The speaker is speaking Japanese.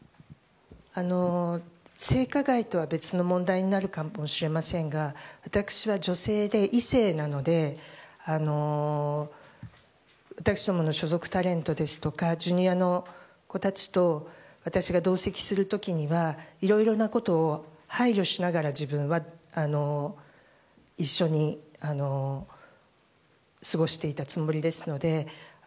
性加害とは別の問題になるかもしれませんが私は女性で、異性なので私どもの所属タレントですとかＪｒ．の子たちと私が同席する時にはいろいろなことを配慮しながら自分は一緒に過ごしていたつもりですので。